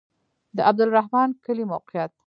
د عبدالرحمن کلی موقعیت